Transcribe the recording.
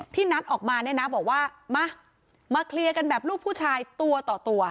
นัดออกมาเนี่ยนะบอกว่ามามาเคลียร์กันแบบลูกผู้ชายตัวต่อตัว